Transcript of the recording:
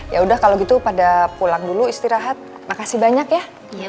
ya udah kalau gitu pada pulang dulu istirahat makasih banyak ya